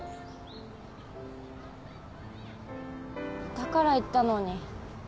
だから言ったのに。